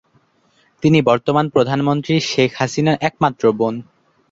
তিনি বর্তমান প্রধানমন্ত্রী শেখ হাসিনার একমাত্র বোন।